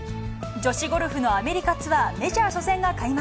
女子ゴルフのアメリカツアー、メジャー初戦が開幕。